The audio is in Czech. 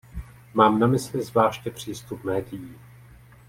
Mám na mysli zvláště přístup médií.